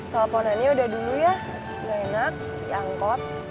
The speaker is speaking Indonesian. teleponannya udah dulu ya gak enak yangkot